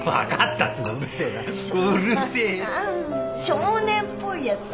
少年っぽいやつ？